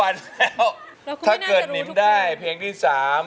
เราคงไม่น่าจะรู้ของคนถ้าเกิดนิ้วได้เพลงที่สาม